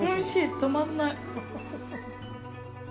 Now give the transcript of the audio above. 止まんない。